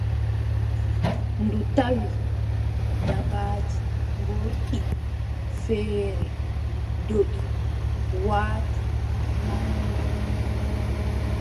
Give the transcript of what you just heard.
Ndu tawi dabaaji ngorɗi feere ndoʼi, waati haa ton.